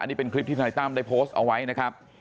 นี่เป็นคลิปที่ธนายตั้มได้โพสต์เอาไว้นะครับ